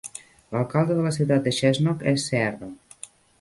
L"alcalde de la ciutat de Cessnock es Cr.